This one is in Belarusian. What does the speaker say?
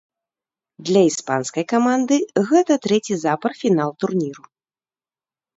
Для іспанскай каманды гэта трэці запар фінал турніру.